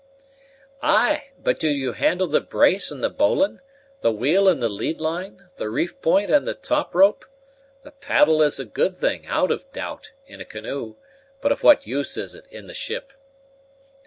"Ay; but do you handle the brace and the bow line, the wheel and the lead line, the reef point and the top rope? The paddle is a good thing, out of doubt, in a canoe; but of what use is it in the ship?"